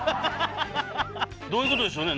どういうことでしょうね